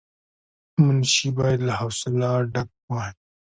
منشي باید له حوصله ډک وای.